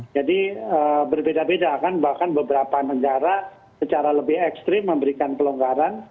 jadi berbeda beda akan bahkan beberapa negara secara lebih ekstrim memberikan pelonggaran